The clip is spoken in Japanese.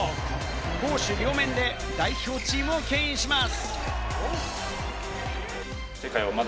攻守両面で代表チームをけん引します。